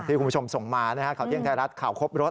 คุณผู้ชมส่งมาข่าวเที่ยงไทยรัฐข่าวครบรถ